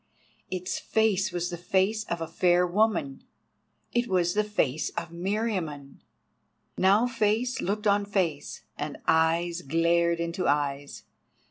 its face was the face of a fair woman—it was the face of Meriamun! Now face looked on face, and eyes glared into eyes.